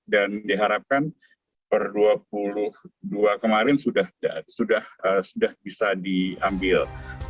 dan diharapkan per dua puluh dua kemarin sudah bisa diambil